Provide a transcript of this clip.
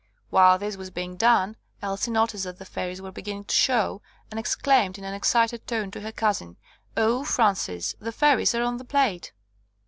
While this was being done Elsie noticed that the fairies were beginning to show, and exclaimed in an excited tone to her cousin, *'0h, Frances, the fairies are on the plate!"